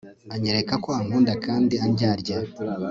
anyereka ko ankunda kandi andyadya